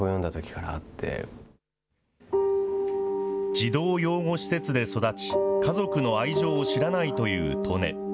児童養護施設で育ち、家族の愛情を知らないという利根。